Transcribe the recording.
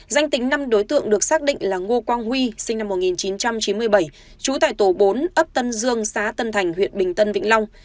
danh tính năm đối tượng được xác định là ngô quang huy sinh năm một nghìn chín trăm chín mươi bảy trú tại tổ bốn ấp tân dương xã tân thành huyện bình tân vĩnh long